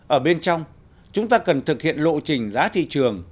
ở bên trong chúng ta cần thực hiện lộ trình giá thị trường